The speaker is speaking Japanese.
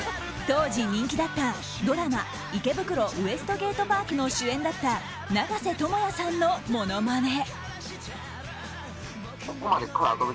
当時人気だったドラマ「池袋ウエストゲートパーク」の主演だった長瀬智也さんのものまね。